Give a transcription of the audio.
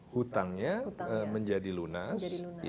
hutangnya menjadi lunas